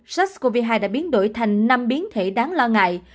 sars cov hai đã biến đổi thành năm biến thể đáng lo ngại